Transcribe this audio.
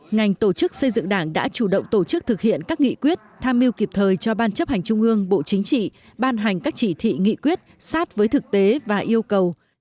ngành tổ chức xây dựng đảng đã chủ động tổ chức thực hiện các nghị quyết tham mưu kịp thời cho ban chấp hành trung ương bộ chính trị ban hành các chỉ thị nghị quyết sát với thực tế và yêu cầu